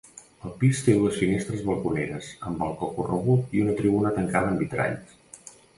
El pis té dues finestres balconeres, amb balcó corregut, i una tribuna tancada amb vitralls.